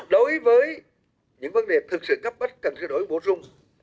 đối với những vấn đề thực sự cấp bắt cần giả đổi bổ sung